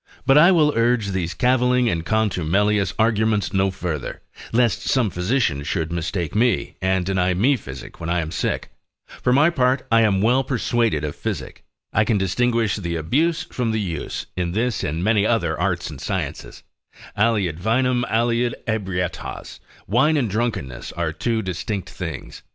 But I will urge these cavilling and contumelious arguments no farther, lest some physician should mistake me, and deny me physic when I am sick: for my part, I am well persuaded of physic: I can distinguish the abuse from the use, in this and many other arts and sciences: Alliud vinum, aliud ebrietas, wine and drunkenness are two distinct things.